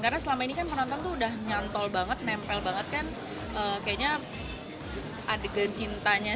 karena selama ini kan penonton tuh udah nyantol banget nempel banget kan kayaknya